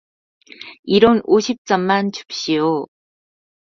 일 원 오십 전만 줍시요.